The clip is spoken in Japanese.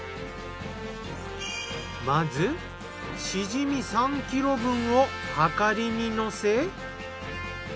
まずシジミ３ｋｇ分をはかりにのせ。